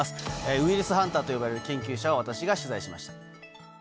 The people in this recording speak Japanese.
ウイルスハンターと呼ばれる研究者を、私が取材しました。